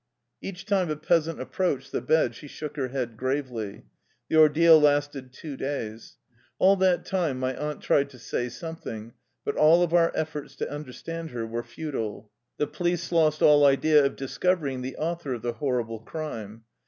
Each time a peasant approached the bed she shook her head gravely. The ordeal lasted two days. All that time my aunt tried to say something, but all of our efforts to under stand her were futile. The police lost all idea of discovering the author of the horrible crime.